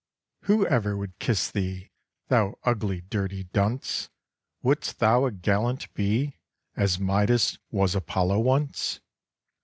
"Who ever would kiss thee, Thou ugly, dirty dunce? Wouldst thou a gallant be, As Midas was Apollo once?